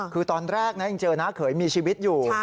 คือตอนแรกนะยังเจอน้าเขยมีชีวิตอยู่